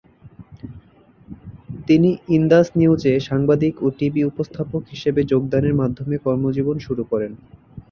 তিনি 'Indus news' এ সাংবাদিক ও টিভি উপস্থাপক হিসেবে যোগদানের মাধ্যমে কর্মজীবন শুরু করেন।